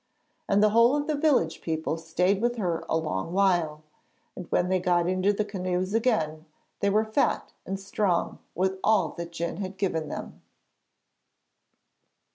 And the whole of the village people stayed with her a long while, and when they got into the canoes again they were fat and strong with all that Djun had given them.